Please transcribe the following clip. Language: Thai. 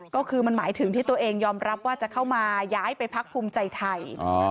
ก็คือมันหมายถึงที่ตัวเองยอมรับว่าจะเข้ามาย้ายไปพักภูมิใจไทย